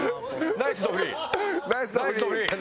ナイスどフリー！